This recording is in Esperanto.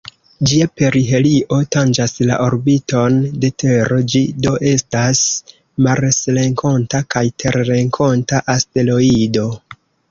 Ĝia perihelio tanĝas la orbiton de Tero, ĝi do estas marsrenkonta kaj terrenkonta asteroido.